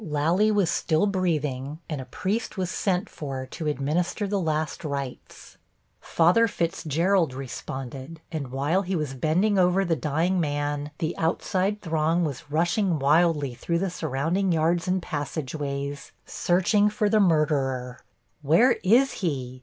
Lally was still breathing, and a priest was sent for to administer the last rites. Father Fitzgerald responded, and while he was bending over the dying man the outside throng was rushing wildly through the surrounding yards and passageways searching for the murderer. "Where is he?"